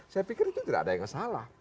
saya pikir itu tidak ada yang salah